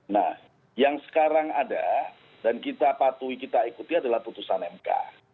nah yang sekarang ada dan kita patuhi kita ikuti adalah putusan mk